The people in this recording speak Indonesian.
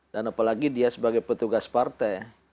dan apalagi dia sebagai petugas partai